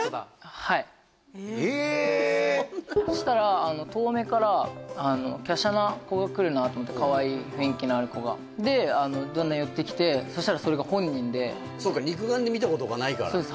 はいえそしたら遠目からきゃしゃな子が来るなと思ってかわいい雰囲気のある子がでだんだん寄ってきてそしたらそれが本人でそうか肉眼で見たことがないからそうです